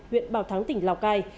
huyện bào thắng tỉnh lào cai